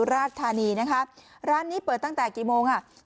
ร้านนี้เปิดตั้งแต่กี่โมงอ่ะ